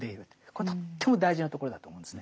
これとっても大事なところだと思うんですね。